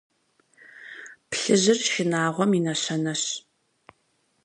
Плъыжьыр – шынагъуэм и нэщэнэщ.